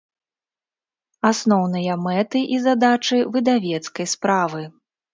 Асноўныя мэты i задачы выдавецкай справы